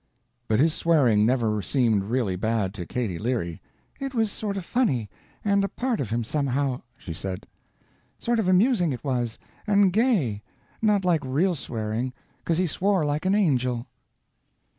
But his swearing never seemed really bad to Katy Leary, "It was sort of funny, and a part of him, somehow," she said. "Sort of amusing it was and gay not like real swearing, 'cause he swore like an angel."